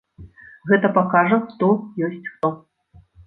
Гэта пакажа, хто ёсць хто.